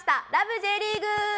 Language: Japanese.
Ｊリーグ』！